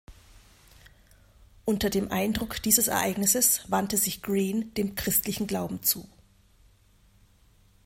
Unter dem Eindruck dieses Ereignisses wandte sich Green dem christlichen Glauben zu.